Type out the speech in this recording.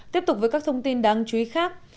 tiếp tục với các thông tin đáng chú ý khác